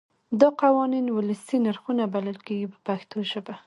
دا قوانین ولسي نرخونه بلل کېږي په پښتو ژبه.